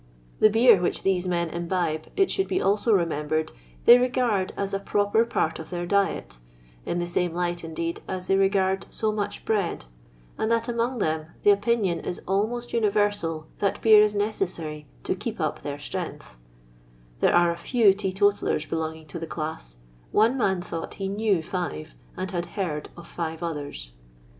The beer which these men imbibe, it should be also remembered, they regard as a proper part of their diet, in the same light, indeed, as they regard so much bread, and that among them the opinion is almost universal, that beer is necessary to "keep up their strength ;" there are a few teeto tallers belonging to the doss ; one man thought he knew five, and had heard of five others.